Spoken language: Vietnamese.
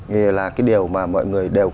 thì là cái điều mà mọi người đều